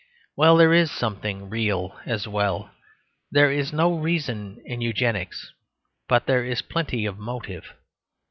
Well, there is something real as well. There is no reason in Eugenics, but there is plenty of motive.